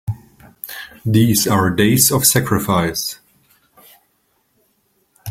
These are days of sacrifice!